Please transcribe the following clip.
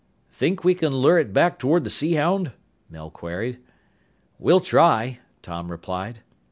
"Think we can lure it back toward the Sea Hound?" Mel queried. "We'll try," Tom replied.